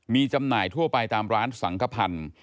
มีจำหน่ายทั่วไปตามร้านสังขพันธ์